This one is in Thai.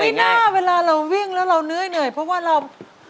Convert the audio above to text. หน้าเวลาเราวิ่งแล้วเราเหนื่อยเพราะว่าเรา